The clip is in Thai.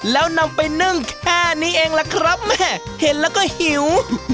แล้วนำไปนึ่งแค่นี้เองล่ะครับแม่เห็นแล้วก็หิว